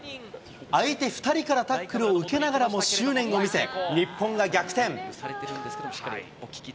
相手２人からタックルを受けながらも執念を見せ、日本が逆転。